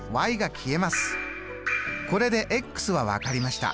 これでは分かりました。